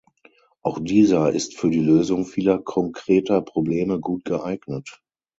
Auch dieser ist für die Lösung vieler konkreter Probleme gut geeignet.